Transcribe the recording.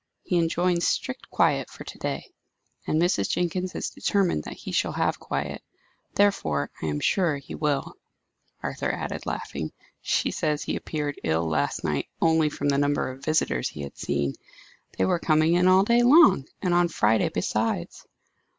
He enjoins strict quiet for to day. And Mrs. Jenkins is determined that he shall have quiet; therefore I am sure, he will," Arthur added, laughing. "She says he appeared ill last night only from the number of visitors he had seen. They were coming in all day long; and on Friday besides."